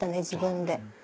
自分で。